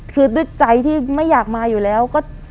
คือด้วยใจที่ไม่อยากมาอยู่แล้วก็